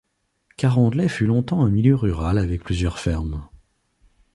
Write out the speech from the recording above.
Carondelet fut longtemps un milieu rural avec plusieurs fermes.